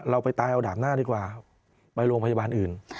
เราไปตายเอาดาบหน้าดีกว่าไปโรงพยาบาลอื่น